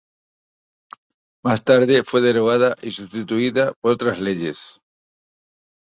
Más tarde fue derogada y sustituida por otras leyes.